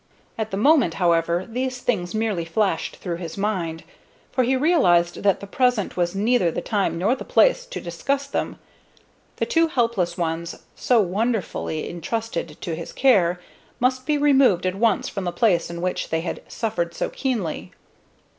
At the moment, however, these things merely flashed through his mind; for he realized that the present was neither the time nor the place to discuss them. The two helpless ones, so wonderfully intrusted to his care, must be removed at once from the place in which they had suffered so keenly.